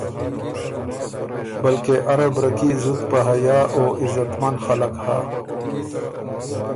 بلکې ارّه برکي زُت په حیا او عزتمن خلق هۀ